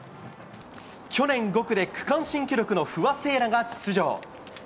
去年、５区で区間新記録の不破聖衣来が出場。